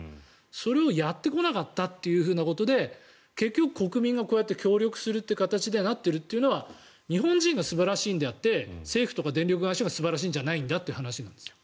それをやってこなかったってことで結局、国民がこうやって協力する形になっているというのは日本人が素晴らしいのであって政府とか電力会社が素晴らしいんじゃないんだという話ですよ。